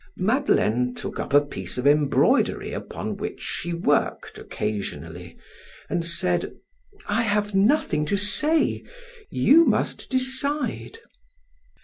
Madeleine took up a piece of embroidery upon which she worked occasionally, and said: "I have nothing to say. You must decide."